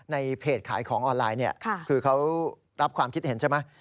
ในเพจขายของออนไลน์เนี่ยคือเขารับความคิดเห็นใช่ไหม